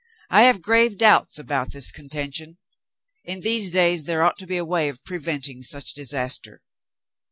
I have grave doubts about this contention. In these days there ought to be a way of preventing such disaster.